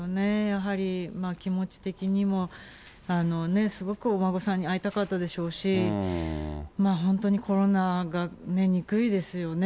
やはり気持ち的にも、すごくお孫さんに会いたかったでしょうし、本当にコロナが憎いですよね。